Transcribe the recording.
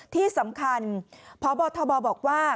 ที่สำคัญพบทบบอกว่า